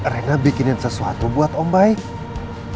rena bikinin sesuatu buat om bike